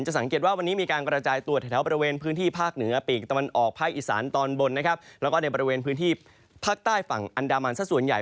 สังเกตว่าวันนี้มีการกระจายตัวแถวบริเวณพื้นที่ภาคเหนือปีกตะวันออกภาคอีสานตอนบนนะครับแล้วก็ในบริเวณพื้นที่ภาคใต้ฝั่งอันดามันสักส่วนใหญ่